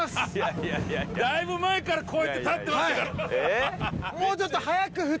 いやいやだいぶ前からこうやって立ってましたよえっ？ハハハ！